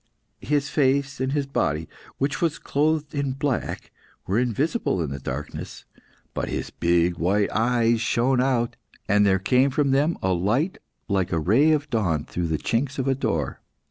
His face and his body, which was clothed in black, were invisible in the darkness; but his big white eyes shone out, and there came from them a light like a ray of dawn through the chinks of a door.